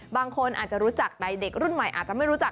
บางคนอาจจะรู้จักแต่เด็กรุ่นใหม่อาจจะไม่รู้จัก